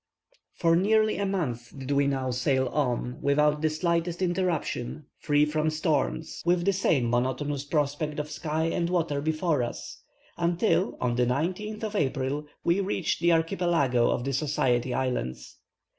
For nearly a month did we now sail on, without the slightest interruption, free from storms, with the same monotonous prospect of sky and water before us, until, on the 19th of April, we reached the Archipelago of the Society Islands.